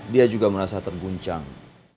dia juga merasa terguncang